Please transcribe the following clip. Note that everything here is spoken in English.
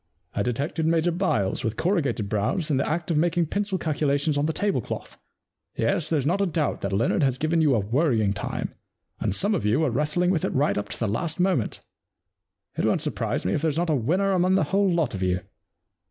I detected Major Byles, with corrugated brows, in the act of making pencil calculations on the tablecloth. Yes, there's not a doubt that Leonard has given you a worrying time, and some of you were wrestling with it right up to the last moment. It won't surprise me if there's not a winner among the whole lot of you.